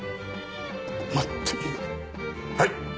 はい！